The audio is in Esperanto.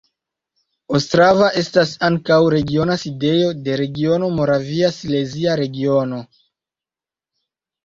Ostrava estas ankaŭ regiona sidejo de regiono Moravia-Silezia Regiono.